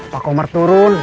pak omar turun